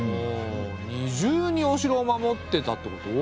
二重にお城を守ってたってこと？